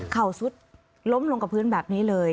สุดล้มลงกับพื้นแบบนี้เลย